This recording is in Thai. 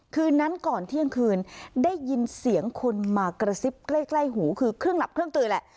คืนนั้นก่อนเที่ยงคืนได้ยินเสียงคนมากระซิบใกล้หูคือเครื่องหลับเครื่องตือแหละ